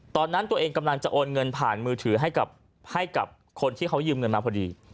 ตอนนั้นตัวเองกำลังจะโอนเงินผ่านมือถือให้กับคนที่เขายืมเงินมาพอดี